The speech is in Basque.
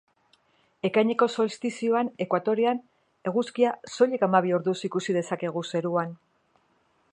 Ekaineko solstizioan Ekuatorean, Eguzkia soilik hamabi orduz ikusi dezakegu zeruan.